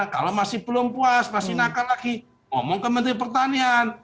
kalau masih belum puas masih nakal lagi ngomong ke menteri pertanian